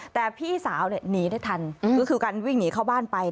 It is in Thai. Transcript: แต่พี่สาวหนีได้ทันก็คือการวิ่งหนีเข้าบ้านไป